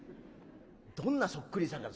どんなそっくりさんが。